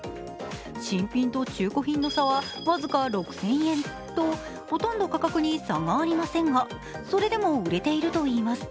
新品と中古品の差は、僅か６０００円とほとんど価格に差がありませんが、それでも売れているといいます。